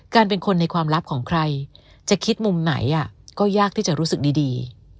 เป็นคนในความลับของใครจะคิดมุมไหนก็ยากที่จะรู้สึกดี